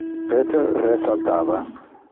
Peter resaltava.